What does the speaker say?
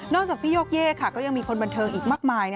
จากพี่โยกเย่ก็ยังมีคนบันเทิงอีกมากมาย